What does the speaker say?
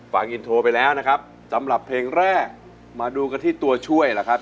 ฟังอินโทรไปแล้วนะครับสำหรับเพลงแรกมาดูกันที่ตัวช่วยล่ะครับ